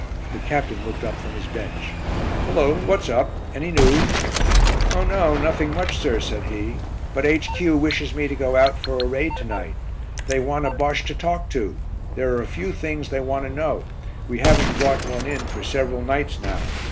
The Captain looked up from his bench. "Hullo, what's up? Any news?" "Oh, no; nothing much, sir," said he, "but H.Q. wishes me to go out for a raid to night. They want a Bosche to talk to; there are a few things they want to know. We haven't brought one in for several nights now.